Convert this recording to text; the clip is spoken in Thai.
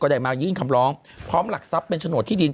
ได้มายื่นคำร้องพร้อมหลักทรัพย์เป็นโฉนดที่ดิน